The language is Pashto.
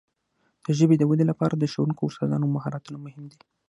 د ژبې د وده لپاره د ښوونکو او استادانو مهارتونه مهم دي.